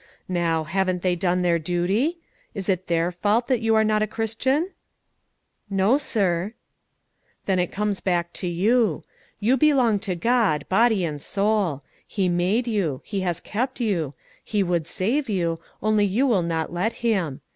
Now, haven't they done their duty? is it their fault that you are not a Christian?" "No, sir." "Then it comes back to you. You belong to God, body and soul: He made you; He has kept you; He would save you, only you will not let Him.